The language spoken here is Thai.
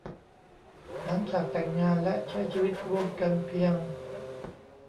หลังจากแต่งงานและใช้ชีวิตร่วมกันเพียง